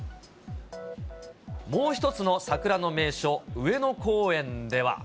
もう一つの桜の名所、上野公園では。